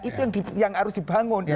itu yang harus dibangun